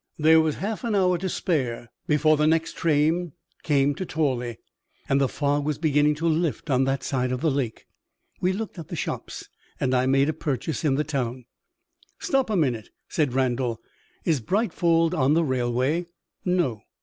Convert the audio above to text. There was half an hour to spare before the next train came to Tawley; and the fog was beginning to lift on that side of the lake. We looked at the shops; and I made a purchase in the town." "Stop a minute," said Randal. "Is Brightfold on the railway?" "No."